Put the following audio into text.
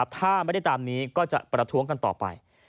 ถ้าไม่ได้ตามนี้ก็จะประท้วงกันต่อไป